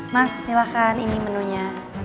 mas silahkan ini menunya